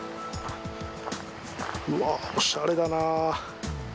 うわ、おしゃれだな。